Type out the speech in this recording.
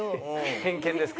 偏見ですか。